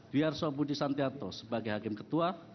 dwi arso budi santiarto sebagai hakim ketua